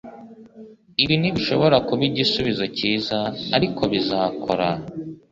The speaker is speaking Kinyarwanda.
ibi ntibishobora kuba igisubizo cyiza, ariko bizakora